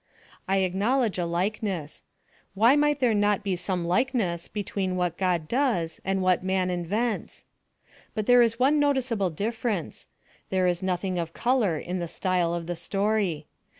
I acknowledge a likeness: why might there not be some likeness between what God does and what man invents? But there is one noticeable difference: there is nothing of colour in the style of the story.